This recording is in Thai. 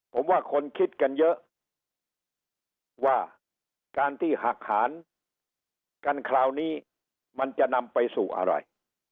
ผมว่าคนคิดกันเยอะว่าการที่หักหารกันคราวนี้มันจะนำไปสู่อะไร